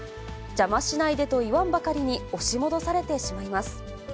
邪魔しないでと言わんばかりに、押し戻されてしまいます。